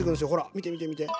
見て見て見て！